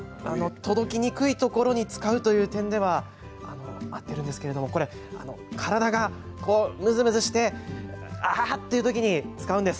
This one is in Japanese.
届きにくいというところに使う点では合っていますがこれは体がむずむずしてというときに使うんです。